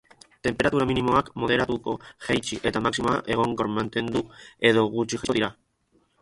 Tenperatura minimoak moderatuko jaitsi eta maximoak egonkor mantendu edo gutxi jaitsiko dira.